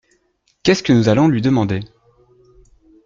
Qu’est-ce que nous allons lui demander ?